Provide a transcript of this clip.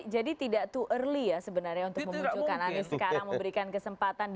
jadi tidak too early ya sebenarnya untuk memunculkan anies sekarang memberikan kesempatan